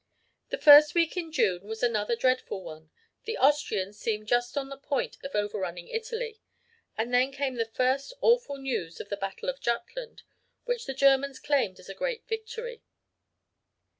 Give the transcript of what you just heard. "The first week in June was another dreadful one. The Austrians seemed just on the point of overrunning Italy: and then came the first awful news of the Battle of Jutland, which the Germans claimed as a great victory.